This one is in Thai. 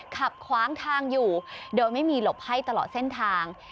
ขับขวางทางอยู่โดยไม่มีหลบให้ตลอดเส้นทาง